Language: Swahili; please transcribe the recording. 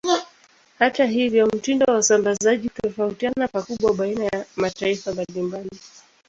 Hata hivyo, mtindo wa usambazaji hutofautiana pakubwa baina ya mataifa mbalimbali.